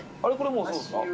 もうそうですか？